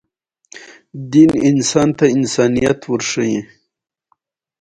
د رسنیو له لارې خلک یو بل ته الهام ورکوي.